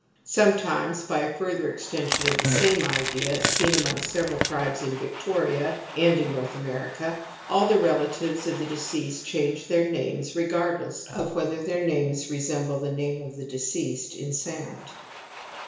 Some times by a further extension of the same idea as seen among several tribes in Victoria and in North America all the relatives of the deceased change their names regardless of whether their names resemble the name of the deceased in soimd.